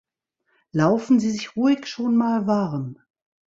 Laufen Sie sich ruhig schon mal warm!